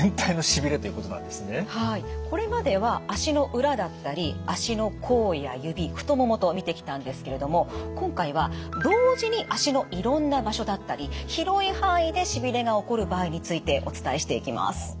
これまでは足の裏だったり足の甲や指太ももと見てきたんですけれども今回は同時に足のいろんな場所だったり広い範囲でしびれが起こる場合についてお伝えしていきます。